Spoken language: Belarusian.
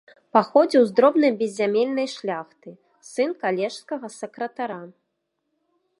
Паходзіў з дробнай беззямельнай шляхты, сын калежскага сакратара.